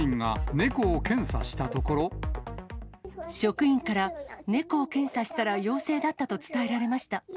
職員から、猫を検査したら陽性だったと伝えられました。